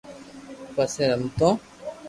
پسي رمتو